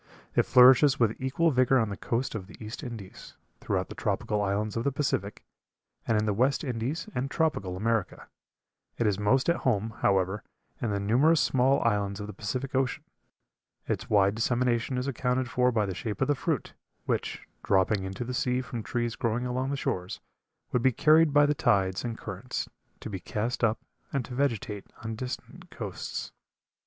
It flourishes with equal vigor on the coast of the East Indies, throughout the tropical islands of the Pacific, and in the West Indies and tropical America. It is most at home, however, in the numerous small islands of the Pacific Ocean. Its wide dissemination is accounted for by the shape of the fruit, which, dropping into the sea from trees growing along the shores, would be carried by the tides and currents to be cast up and to vegetate on distant coasts.